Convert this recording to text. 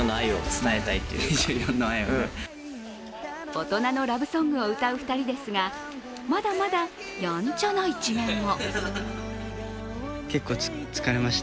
大人のラブソングを歌う２人ですが、まだまだ、やんちゃな一面も。